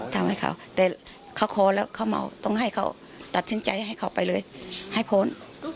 ทำให้เขาแต่เขาขอแล้วเขาเมาต้องให้เขาตัดสินใจให้เขาไปเลยให้พ้น